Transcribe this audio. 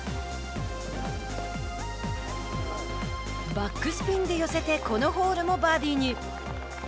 バックスピンで寄せてこのホールもバーディーに。